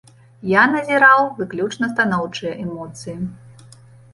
Я назіраў выключна станоўчыя эмоцыі.